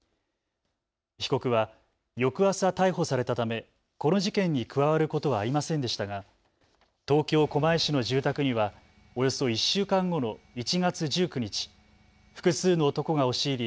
被告は翌朝逮捕されたためこの事件に加わることはありませんでしたが東京狛江市の住宅にはおよそ１週間後の１月１９日、複数の男が押し入り